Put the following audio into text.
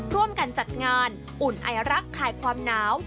ร่วมกันจัดงานอุ่นไอรักคลายความหนาว